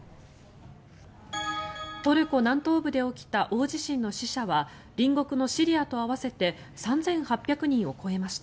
トルコ南東部で起きた大地震の死者は隣国のシリアと合わせて３８００人を超えました。